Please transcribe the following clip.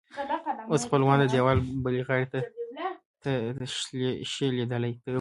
اوس خپلوان د دیوال بلې غاړې ته نه شي لیدلی.